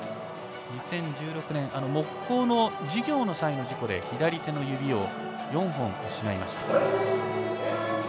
２０１６年木工の授業の際の事故で左手の指を４本失いました。